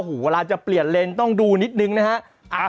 โอ้โหเวลาจะเปลี่ยนเลนส์ต้องดูนิดนึงนะฮะ